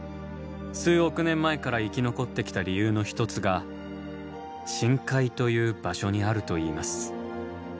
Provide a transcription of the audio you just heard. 数億年前から生き残ってきた理由の一つが深海という場所にあるといいます。